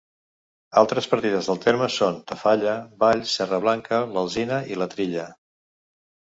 Altres partides del terme són Tafalla, Valls, Serra Blanca, l’Alzina i la Trilla.